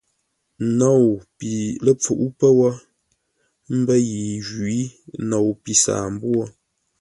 Nou pi ləpfuʼú pə́ wó, ə́ mbə́ yi jwǐ; nou pi saambwô.